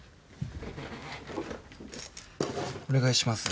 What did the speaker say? お願いします。